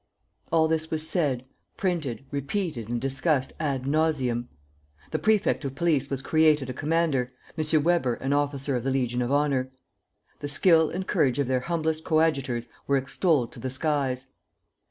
All this was said, printed, repeated and discussed ad nauseam. The prefect of police was created a commander, M. Weber an officer of the Legion of Honor. The skill and courage of their humblest coadjutors were extolled to the skies.